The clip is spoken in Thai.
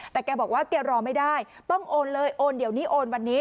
แต่แกบอกว่าแกรอไม่ได้ต้องโอนเลยโอนเดี๋ยวนี้โอนวันนี้